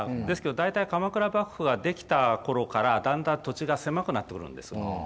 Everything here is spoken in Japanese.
ですけど大体鎌倉幕府ができた頃からだんだん土地が狭くなってくるんです。